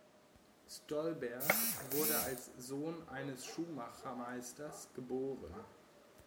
Stollberg wurde als Sohn eines Schuhmachermeisters geboren.